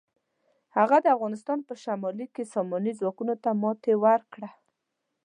هغه د افغانستان په شمالي کې ساماني ځواکونو ته ماتې ورکړه.